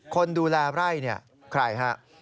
ขนดูแลใบไร่นี่ใครครับ